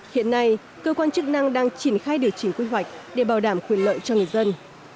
hiện nay cơ quan chức năng đang triển khai điều chỉnh quy hoạch để bảo đảm quyền lợi cho người dân